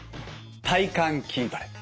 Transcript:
体幹筋トレ。